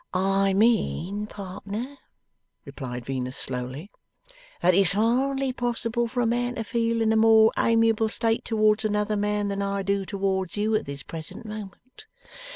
'I mean, partner,' replied Venus, slowly, 'that it's hardly possible for a man to feel in a more amiable state towards another man than I do towards you at this present moment.